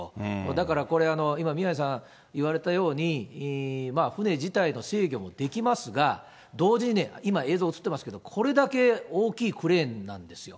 だから、これ、今、宮根さん言われたように、船自体の制御もできますが、同時に今、映像映ってますけど、これだけ大きいクレーンなんですよ。